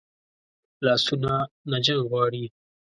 لاسونه نه جنګ غواړي